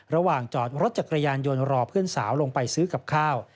ระหว่างจอดรถจักรยานยนต์รอเพื่อนสาวลงไปซื้อกับข้าว